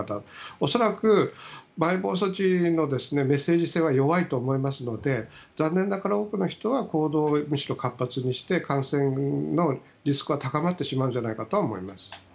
恐らくまん延防止措置のメッセージ性は弱いと思いますので残念ながら多くの人は行動をむしろ活発にして感染のリスクは高まってしまうんじゃないかと思います。